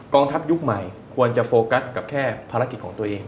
ทัพยุคใหม่ควรจะโฟกัสกับแค่ภารกิจของตัวเอง